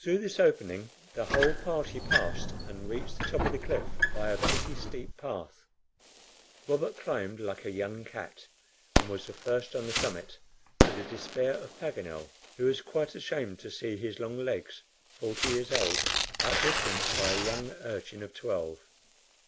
Through this opening the whole party passed and reached the top of the cliff by a pretty steep path. Robert climbed like a young cat, and was the first on the summit, to the despair of Paganel, who was quite ashamed to see his long legs, forty years old, out distanced by a young urchin of twelve.